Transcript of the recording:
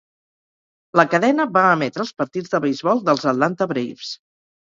La cadena va emetre els partits de beisbol dels Atlanta Braves.